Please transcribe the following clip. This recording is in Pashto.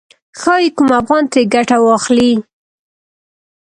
ښايي کوم افغان ترې ګټه واخلي.